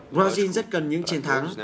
brazil rất cần những chiến thắng